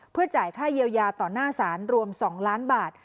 เพื่อจ่ายค่าเยียวยาต่อหน้าศาลรวม๒ล้านบาท